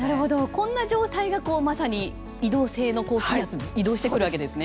こんな状態がまさに移動性の高気圧で移動してくるわけですね。